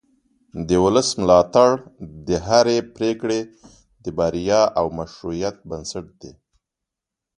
د ولس ملاتړ د هرې پرېکړې د بریا او مشروعیت بنسټ دی